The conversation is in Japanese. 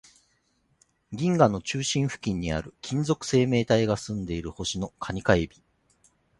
銀河の中心付近にある、金属生命体が住んでいる星の蟹か海老